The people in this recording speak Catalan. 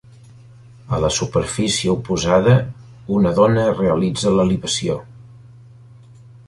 A la superfície oposada una dona realitza la libació.